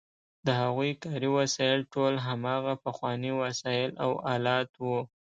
د هغوی کاري وسایل ټول هماغه پخواني وسایل او آلات وو.